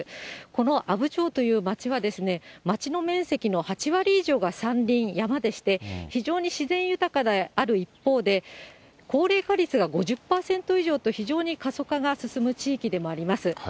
この阿武町という町は町の面積の８割以上が山林、山でして、非常に自然豊かである一方で、高齢化率が５０％以上と、非常に過疎化が進む地域でもあります。